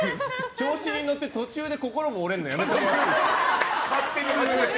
調子に乗って途中で心折れるのやめてもらっていい？